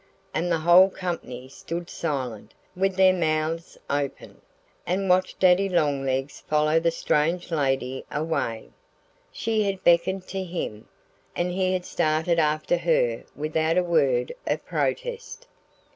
And the whole company stood silent, with their mouths open, and watched Daddy Longlegs follow the strange lady away. She had beckoned to him. And he had started after her without a word of protest.